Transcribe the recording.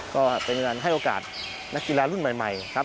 ก็เป็นการให้โอกาสนักกีฬารุ่นใหม่ครับ